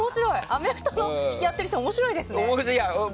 アメフトやってる人面白いですね。